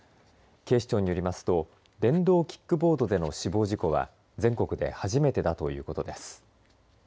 警視庁によりますと電動キックボードでの死亡事故は全国で初めてだということです。